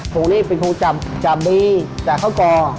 ของนี้เป็นของจับจับบีจับข้าวก่อ